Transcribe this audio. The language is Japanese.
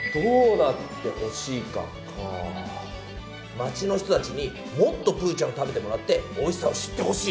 町の人たちにもっとプーちゃんを食べてもらっておいしさを知ってほしい。